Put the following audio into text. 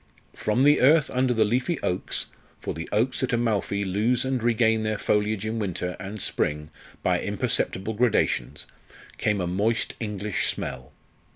From the earth under the leafy oaks for the oaks at Amalfi lose and regain their foliage in winter and spring by imperceptible gradations came a moist English smell.